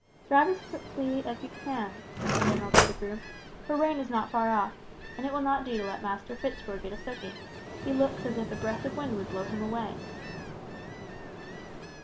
"Drive home as quickly as you can," said the general to the groom, "for rain is not far off, and it will not do to let Master Fitz Roy get a soaking; he looks as if a breath of wind will blow him away."